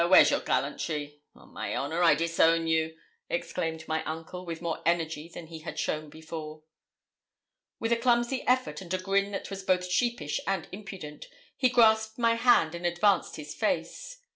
Where's your gallantry? On my honour, I disown you,' exclaimed my uncle, with more energy than he had shown before. With a clumsy effort, and a grin that was both sheepish and impudent, he grasped my hand and advanced his face.